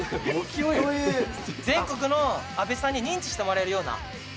全国の阿部さんに認知してもらえるような。